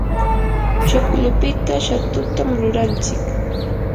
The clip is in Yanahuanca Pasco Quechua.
chuklupita shatutam rurantsik.